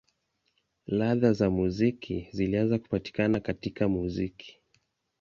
Ladha za muziki zilianza kupatikana katika muziki.